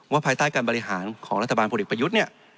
ภายใต้การบริหารของรัฐบาลพลเอกประยุทธ์เนี่ย